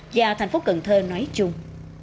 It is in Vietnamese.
và thành phố cần thơ nói chung